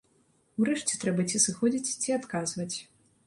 Урэшце трэба ці сыходзіць, ці адказваць.